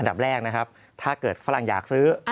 ดับแรกนะครับถ้าเกิดฝรั่งอยากซื้อ